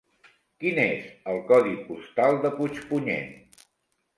Quin és el codi postal de Puigpunyent?